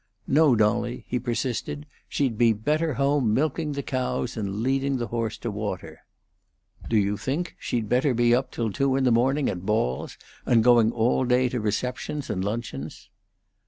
"No, Dolly," he persisted; "she'd better be home milking the cows and leading the horse to water." "Do you think she'd better be up till two in the morning at balls and going all day to receptions and luncheons?"